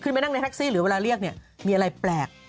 ขึ้นไปนั่งในแท็กซี่หรือเวลาเรียกมีอะไรแปลก